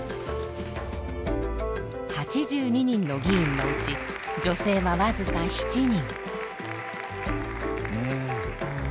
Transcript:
８２人の議員のうち女性は僅か７人。